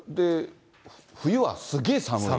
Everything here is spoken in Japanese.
冬はすげえ、寒い。